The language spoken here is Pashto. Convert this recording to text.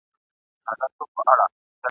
هره شپه به مي کتاب درسره مل وي ..